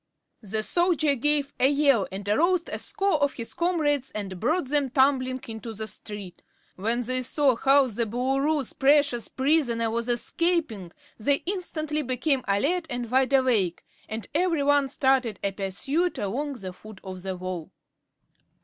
The soldier gave a yell that aroused a score of his comrades and brought them tumbling into the street. When they saw how the Boolooroo's precious prisoner was escaping they instantly became alert and wide awake, and every one started in pursuit along the foot of the wall.